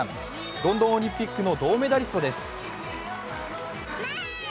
ロンドンオリンピックの銅メダリストです。